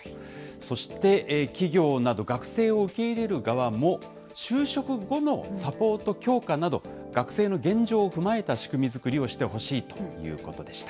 そして企業など、学生を受け入れる側も、就職後のサポート強化など、学生の現状を踏まえた仕組み作りをしてほしいということでした。